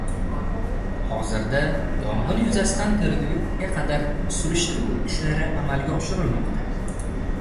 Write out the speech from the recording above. Hozirda yong‘in yuzasidan tergovga qadar surishtiruv ishlari amalga oshirilmoqda